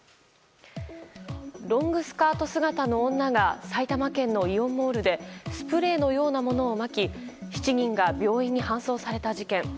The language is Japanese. ロングスカート姿の女が埼玉県のイオンモールでスプレーのようなものをまき７人が病院に搬送された事件。